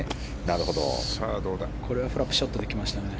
これはフラッグショットできましたね。